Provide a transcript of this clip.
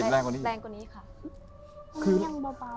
แรงกว่านี้ค่ะ